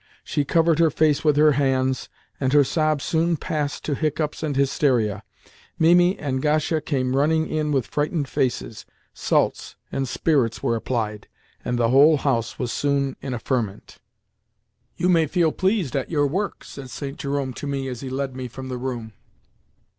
She covered her face with her hands, and her sobs soon passed to hiccups and hysteria. Mimi and Gasha came running in with frightened faces, salts and spirits were applied, and the whole house was soon in a ferment. "You may feel pleased at your work," said St. Jerome to me as he led me from the room.